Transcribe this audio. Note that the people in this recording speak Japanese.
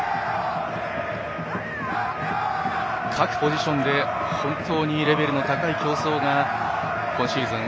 各ポジションで本当にレベルの高い競争が今シーズン